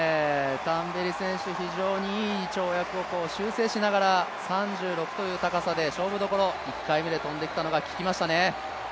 タンベリ選手、非常にいい跳躍を修正しながら、３６という高さを勝負どころ、１回目で跳んできたのがききましたね。